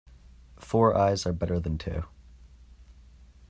Four eyes are better than two.